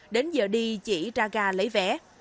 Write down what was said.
đến giờ đi chỉ ra ga lấy vé